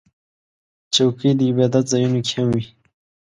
چوکۍ د عبادت ځایونو کې هم وي.